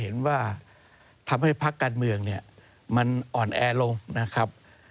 อ่อนแอลงนะครับ